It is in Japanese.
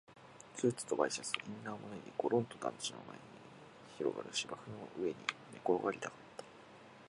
スーツとワイシャツとインナーも脱いで、ごろんと団地の前に広がる芝生の上に寝転がりたかった